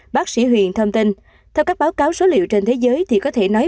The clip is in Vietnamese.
bác sĩ huyền thông tin theo các báo cáo số liệu trên thế giới thì có thể nói